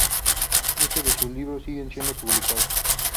Muchos de sus libros siguen siendo publicados.